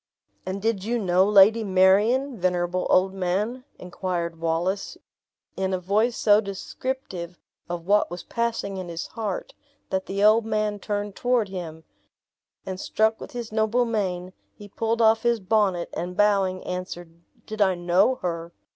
"And did you know Lady Marion, venerable old man?" inquired Wallace, in a voice so descriptive of what was passing in his heart, that the old man turned toward him; and struck with his noble mien, he pulled off his bonnet, and bowing, answered, "Did I know her?